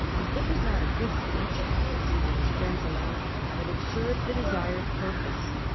It was not a good speech, as even his friends allowed, but it served the desired purpose.